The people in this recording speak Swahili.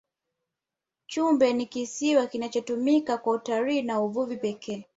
chumbe ni kisiwa kinachotumika kwa utalii na uvuvi pekee